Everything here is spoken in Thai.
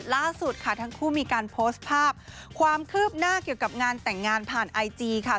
ล่าสุดค่ะทั้งคู่มีการโพสต์ภาพความคืบหน้าเกี่ยวกับงานแต่งงานผ่านไอจีค่ะ